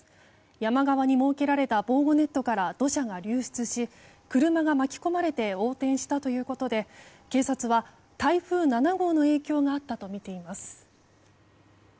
山側に設けられた防護ネットから土砂が流出し車が巻き込まれて横転したということで警察は、台風７号の影響があったとみています。